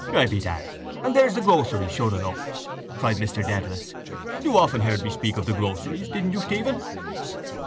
—Ay, bedad! And there's the Groceries sure enough! cried Mr Dedalus. You often heard me speak of the Groceries, didn't you, Stephen.